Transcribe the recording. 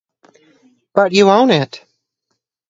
But you own it.